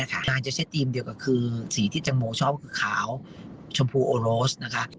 งานจะใช้ตีมเดียวกับสีที่จังโมชอบคือขาวชมพูอัวโรส